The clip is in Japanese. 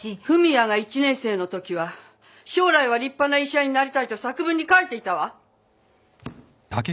文也が１年生のときは将来は立派な医者になりたいと作文に書いていたわ。